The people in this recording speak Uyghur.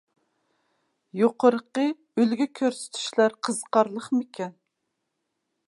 يۇقىرىقى ئۈلگە كۆرسىتىشلەر قىزىقارلىقمىكەن؟